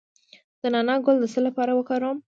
د نعناع ګل د څه لپاره وکاروم؟